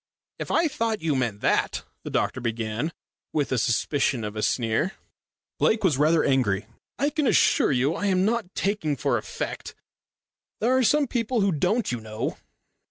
"If I thought you meant that " the doctor began, with the suspicion of a sneer. Lake was rather angry. "I can assure you I am not talking for effect. There are some people who don't, you know."